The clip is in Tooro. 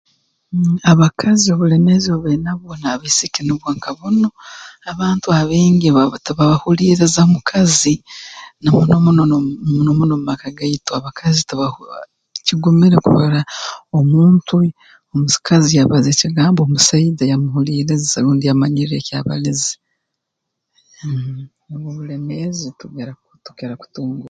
Mmh abakazi obulemeezi obu bainabwo n'abaisiki nubwo nka bunu abantu abaingi baba tibahuliiriza mukazi na muno muno n'omu muno muno mu maka gaitu abakazi tiba ah kigumire kurora omuntu omukasizi yabaza ekigambo omusaija yamuhuliiriza rundi yamanyirra eki abalize mmh nubwo obulemeezi tugi tukira kutunga obu